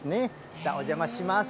じゃあ、お邪魔します。